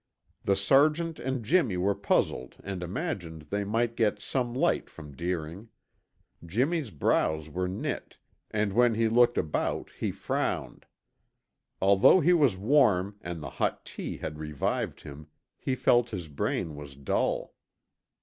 The sergeant and Jimmy were puzzled and imagined they might get some light from Deering. Jimmy's brows were knit and when he looked about he frowned. Although he was warm and the hot tea had revived him, he felt his brain was dull.